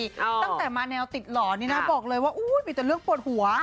ตั้งแต่มาแนวติดหล่อนี่นะบอกเลยว่าอุ้ยมีแต่เรื่องปวดหัว